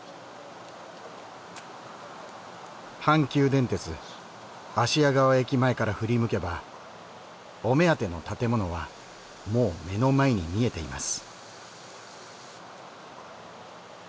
阪急電鉄芦屋川駅前から振り向けばお目当ての建物はもう目の前に見えています。